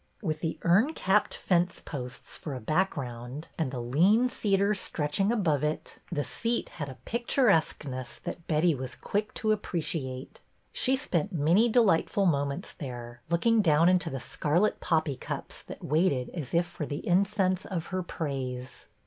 With the urn capped fence posts for a background, and the lean cedar stretching above it, the seat had a pictur 2c hETTY BAIRD'S VENTURES esqueness that Betty was quick to appreciate. She spent many delightful moments there, look ing down into the scarlet poppy cups that waited as if for the incense of her praise.